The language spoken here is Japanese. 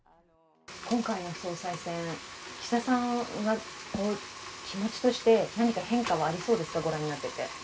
今回の総裁選、岸田さんは気持ちとして何か変化はありそうですか、御覧になってて？